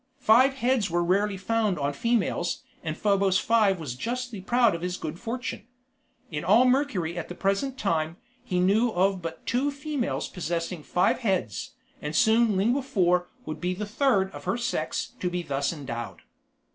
Five heads were rarely found on females and Probos Five was justly proud of his good fortune. In all Mercury at the present time, he knew of but two females possessing five heads and soon Lingua Four would be the third of her sex to be thus endowed.